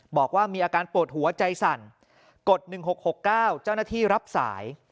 บอกว่ามีอาการปวดหัวใจสั่นกด๑๖๖๙เจ้าหน้าที่รับสาย